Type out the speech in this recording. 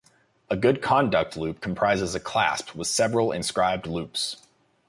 A Good Conduct Loop comprises a clasp with several inscribed loops.